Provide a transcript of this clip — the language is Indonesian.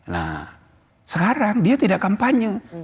nah sekarang dia tidak kampanye